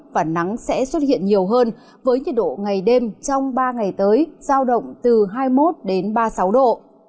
và nắng sẽ xuất hiện nhiều hơn với nhiệt độ ngày đêm trong ba ngày tới giao động từ hai mươi một ba mươi sáu độ